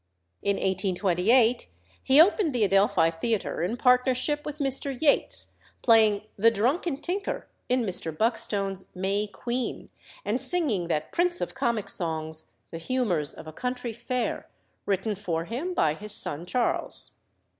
In 1828 he opened the Adelphi Theatre in partnership with Mr. Yates, playing the drunken Tinker in Mr. Buckstone's "May Queen," and singing that prince of comic songs, "The Humours of a Country Fair," written for him by his son Charles.